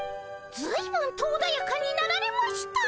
ずいぶんとおだやかになられました。